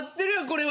これは。